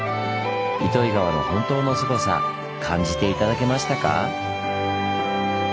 糸魚川の本当のすごさ感じて頂けましたか？